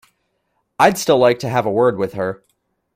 I'd still like to have a word with her.